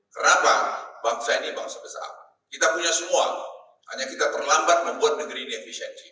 kenapa bangsa ini bangsa besar kita punya semua hanya kita terlambat membuat negeri ini efisiensi